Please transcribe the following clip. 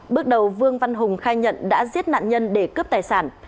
bước đầu vương văn hùng khai nhận đã giết nạn nhân để cướp tài sản